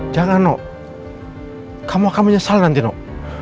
jangan noh kamu akan menyesal nanti noh